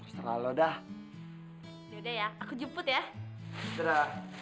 terlalu dah ya udah ya aku jemput ya